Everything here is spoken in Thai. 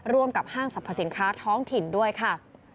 กับห้างสรรพสินค้าท้องถิ่นด้วยค่ะ